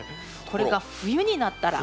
これが冬になったら。